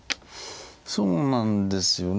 そうなんですよね。